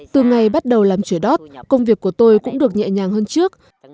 từ ngày bắt đầu làm chủ đót công việc của tôi cũng được nhẹ nhàng hơn trước